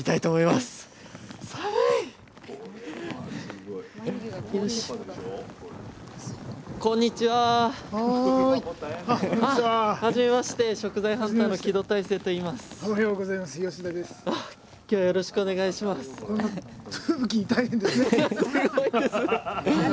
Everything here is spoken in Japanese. すごいですね。